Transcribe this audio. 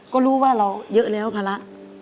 ก็รู้ว่าเราเยอะแล้วภาระ